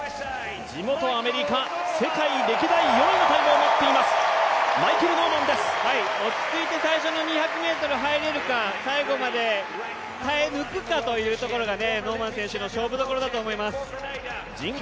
地元アメリカ、世界歴代４位のタイムを持っています、落ち着いて最初の２００ｍ入れるか最後まで耐え抜くかというところが、ノーマン選手の勝負どころだと思います。